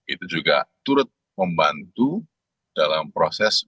itu juga turut membantu dalam proses